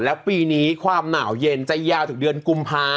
แล้วปีนี้ความหนาวเย็นจะยาวถึงเดือนกุมภา